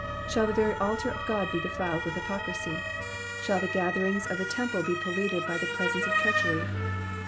Shall the very altar of God be defiled with hypocrisy ? Shall the gatherings of the temple be pol luted by the presence of treachery